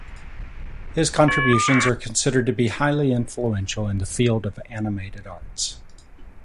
His contributions are considered to be highly influential in the field of animated arts.